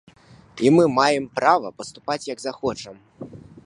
І мы маем права паступаць, як захочам.